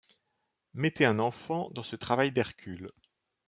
Mettez un enfant dans ce travail d’Hercule.